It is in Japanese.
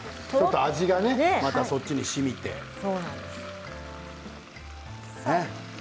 味がまたそっちにしみてね。